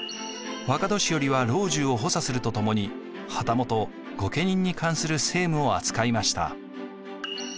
若年寄は老中を補佐するとともに旗本御家人に関する政務を扱いました。